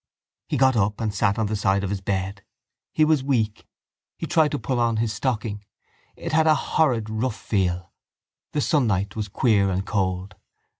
He got up and sat on the side of his bed. He was weak. He tried to pull on his stocking. It had a horrid rough feel. The sunlight was queer and cold.